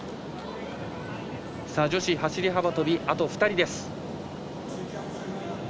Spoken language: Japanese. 女子走り幅跳び、あと２人です。